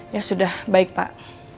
ya sudah baik pak